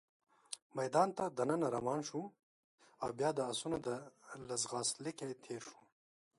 میدان ته دننه روان شوو، او بیا د اسونو له ځغاست لیکې تېر شوو.